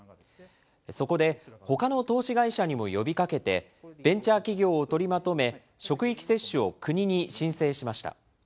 そこで、ほかの投資会社にも呼びかけて、ベンチャー企業を取りまとめ、職域接種を国に申請しました。